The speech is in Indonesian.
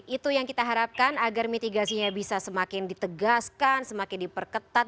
itu yang kita harapkan agar mitigasinya bisa semakin ditegaskan semakin diperketat